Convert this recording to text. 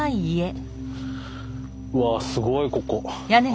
うわすごいここ。